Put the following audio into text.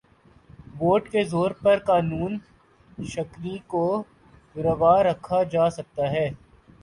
Vote کے زور پر قانون شکنی کو روا رکھا جا سکتا ہے۔